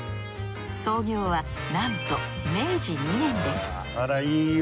創業はなんと明治２年です。